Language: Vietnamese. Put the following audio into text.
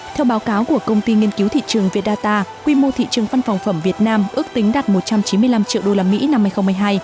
theo báo cáo của công ty nghiên cứu thị trường vietdata quy mô thị trường văn phòng phẩm việt nam ước tính đạt một trăm chín mươi năm triệu usd năm hai nghìn hai mươi hai